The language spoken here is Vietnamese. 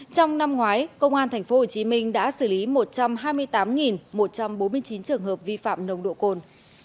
trong năm ngoái công an tp hcm đã xử lý một trăm hai mươi tám một trăm bốn mươi chín trường hợp vi phạm nồng độ cồn